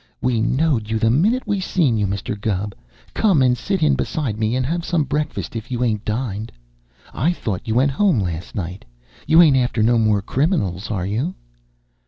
"We knowed you the minute we seen you, Mr. Gubb. Come and sit in beside me and have some breakfast if you ain't dined. I thought you went home last night. You ain't after no more crim'nals, are you?"